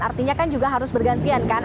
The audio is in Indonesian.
artinya kan juga harus bergantian kan